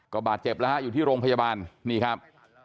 ก็บาดเจ็บแล้วฮะอยู่ที่โรงพยาบาลนี่ครับ